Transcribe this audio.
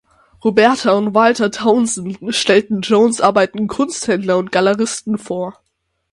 Roberta und Walter Townsend stellten Jones Arbeiten Kunsthändlern und Galeristen vor.